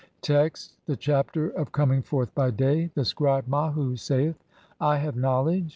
Text : (i) THE CHAPTER OF COMING FORTH BY DAY. The scribe Mahu saith :—• "I have knowledge.